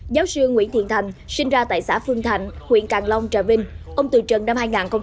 giáo sư nguyễn thiện thành sinh ra tại xã phương thạnh huyện càng long trà vinh ông từ trần năm hai nghìn một mươi